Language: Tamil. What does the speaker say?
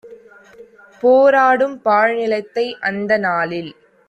போராடும் பாழ்நிலத்தை அந்த நாளில்